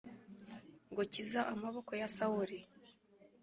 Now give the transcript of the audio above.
ngukiza amaboko ya Sawuli